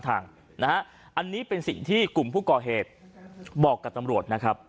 อันนี้เป็นสิ่งที่กลุ่มผู้ก่อเหตุบอกกับตำรวจนะครับ